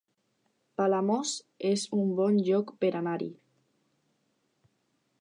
Palamós es un bon lloc per anar-hi